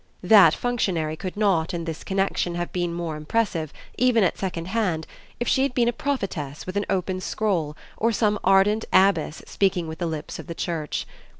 That functionary could not in this connexion have been more impressive, even at second hand, if she had been a prophetess with an open scroll or some ardent abbess speaking with the lips of the Church.